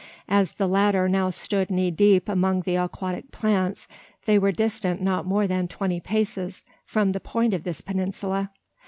As the latter now stood knee deep among the aquatic plants, they were distant not more than twenty paces from the point of this peninsula.